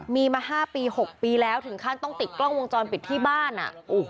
มีมา๕ปี๖ปีแล้วถึงขั้นต้องติดกล้องวงจรปิดที่บ้านอ่ะโอ้โห